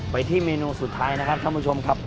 ไปที่เมนูสุดท้ายนะครับท่านผู้ชมครับ